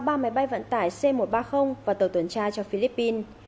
ba máy bay vận tải c một trăm ba mươi và tàu tuần tra cho philippines